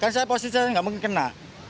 karena saya positifnya nggak mungkin kena